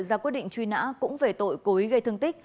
ra quyết định truy nã cũng về tội cố ý gây thương tích